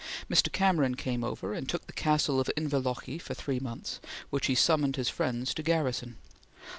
Mr. Cameron came over, and took the castle of Inverlochy for three months, which he summoned his friends to garrison.